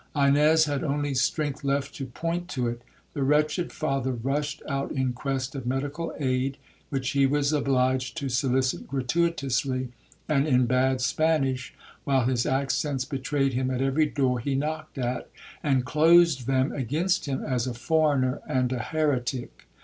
Ines had only strength left to point to it. The wretched father rushed out in quest of medical aid, which he was obliged to solicit gratuitously, and in bad Spanish, while his accents betrayed him at every door he knocked at,—and closed them against him as a foreigner and a heretic.